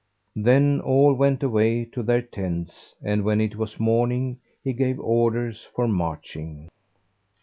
Then all went away to their tents and when it was morning he gave orders for marching.